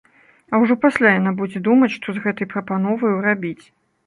А ўжо пасля яна будзе думаць, што з гэтай прапановаю рабіць.